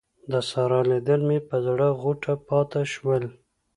د سارا لیدل مې پر زړه غوټه پاته شول.